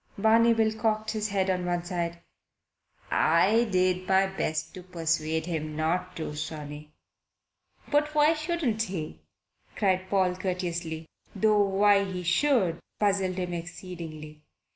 Barney Bill cocked his head on one side. "I did my best to persuade him not to, sonny." "But why shouldn't he?" cried Paul courteously though why he should puzzled him exceedingly.